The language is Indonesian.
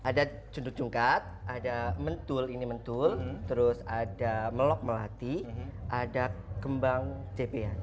ada cunduk jungkat ada mentul ini mentul terus ada melok melati ada kembang jepean